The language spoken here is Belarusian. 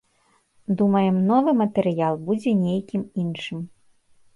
Думаем, новы матэрыял будзе нейкім іншым.